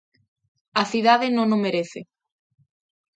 A cidade non o merece.